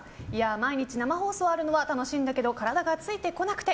毎日生放送あるのは楽しいんだけど体がついてこなくて。